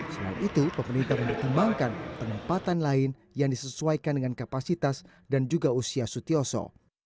selain itu pemerintah mempertimbangkan penempatan lain yang disesuaikan dengan kapasitas dan juga usia sutioso